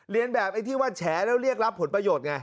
เรียนแบบไอ้ที่ว่าแฉแล้วเรียกรับผลประโยชน์ไง